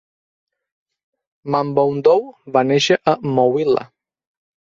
Mamboundou va néixer a Mouila.